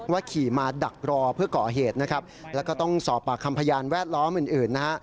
ขี่มาดักรอเพื่อก่อเหตุนะครับแล้วก็ต้องสอบปากคำพยานแวดล้อมอื่นนะฮะ